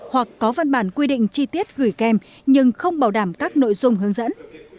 hoặc có văn bản quy định chi tiết gửi kèm nhưng không bảo đảm các nội dung hướng dẫn